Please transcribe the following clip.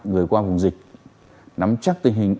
người qua vùng dịch nắm chắc tình hình